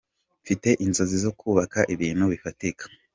Mfite inzozi zo kubaka ibintu bifatika.